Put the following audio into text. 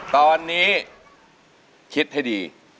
ตอนนี้คิดให้ดี